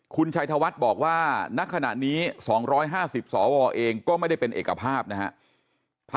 คุณชัยธวัฒน์บอกว่าณขณะนี้๒๕๐สวเองก็ไม่ได้เป็นเอกภาพนะฮะ